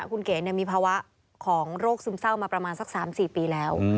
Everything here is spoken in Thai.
คุณเก๋มีภาวะของโรคซึมเศร้ามาประมาณสัก๓๔ปีแล้ว